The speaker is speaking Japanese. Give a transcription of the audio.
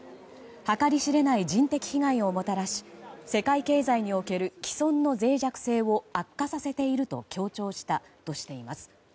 計り知れない人的被害をもたらし世界経済における既存の脆弱性を悪化させていると強調したとしています。